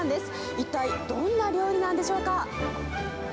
一体どんな料理なんでしょうか。